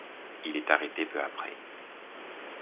Il est arrêté peu après.